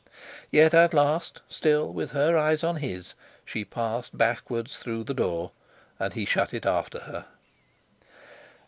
Yet at last, still with her eyes on his, she passed backwards through the door, and he shut it after her.